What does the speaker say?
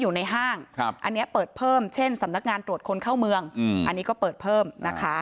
อยู่ในห้างอันนี้เปิดเพิ่มเช่นสำนักงานตรวจคนเข้าเมืองอันนี้ก็เปิดเพิ่มนะคะ